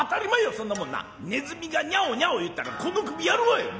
そんなもんな鼠がニャオニャオ言うたらこの首やるわい！